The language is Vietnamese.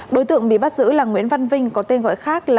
đối tượng bị bắt giữ là nguyễn văn vinh có tên gọi khác là